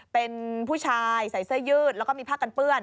เป็นผู้ชายใส่เสื้อยืดแล้วก็มีผ้ากันเปื้อน